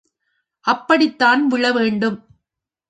அப்படித்தான் விழ வேண்டும்.